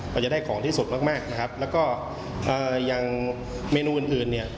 เราจะได้ของที่สดมากอย่างเมนูอื่น